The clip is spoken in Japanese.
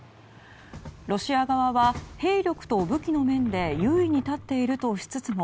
ロシア側は兵力と武器の面で優位に立っているとしつつも